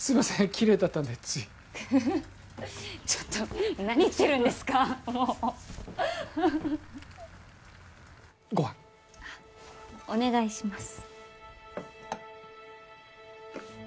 きれいだったんでついフフフッちょっと何言ってるんですかもうご飯あっお願いします